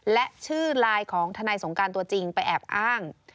และชื่อไลน์ของทนายสงการตัวจริงไปแอบอ้าง